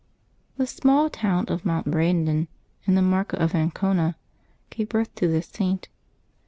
^<HB small town of Montbrandon, in the Marca of An V / cona, gave birth to this Saint.